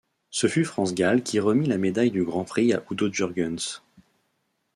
Ce fut France Gall qui remit la médaille du grand prix à Udo Jürgens.